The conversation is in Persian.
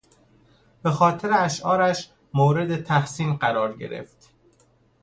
به خاطر اشعارش مورد تحسین قرار گرفت.